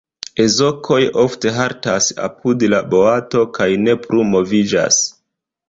Ezokoj ofte haltas apud la boato kaj ne plu moviĝas.